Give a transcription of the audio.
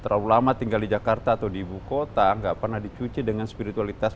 terlalu lama tinggal di jakarta atau di ibu kota nggak pernah dicuci dengan spiritualitas